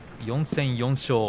４戦４勝。